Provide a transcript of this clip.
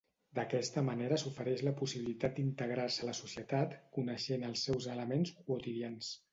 D'aquesta manera s'ofereix la possibilitat d'integrar-se a la societat coneixent els seus elements quotidians.